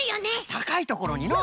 たかいところにのう。